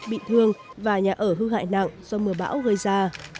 bị thương và nhà ở hư hại nặng do mưa bão gây ra